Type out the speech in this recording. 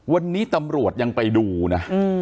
วันนี้ตำรวจยังไปดูนะ